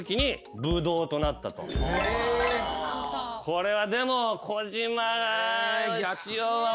これはでも。